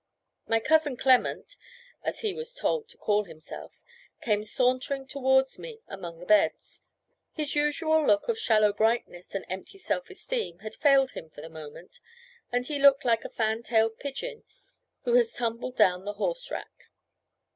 My cousin Clement (as he was told to call himself) came sauntering towards me among the beds. His usual look of shallow brightness and empty self esteem had failed him for the moment, and he looked like a fan tailed pigeon who has tumbled down the horse rack.